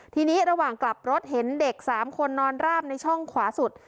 ทีนี้ระหว่างกลับรถเห็นเด็ก๓คนนอนราบในช่องขวาสุด